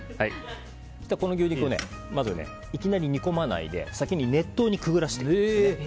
この牛肉をいきなり煮込まないで先に熱湯にくぐらせる。